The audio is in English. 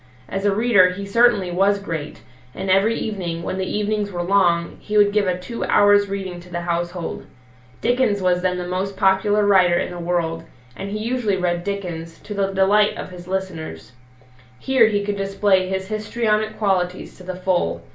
As a reader he certainly was great, and every evening, when the evenings were long, he would give a two hours' reading to the household. Dickens was then the most popular writer in the world, and he usually read Dickens, to the delight of his listeners. Here he could display his histrionic qualities to the full.